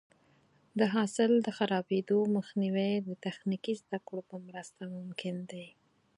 د حاصل د خرابېدو مخنیوی د تخنیکي زده کړو په مرسته ممکن دی.